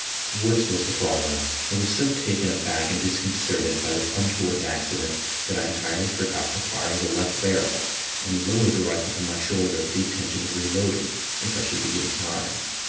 Worse was to follow. I was so taken aback and disconcerted by this untoward accident that I entirely forgot to fire the left barrel, and lowered the rifle from my shoulder with the intention of reloading if I should be given time.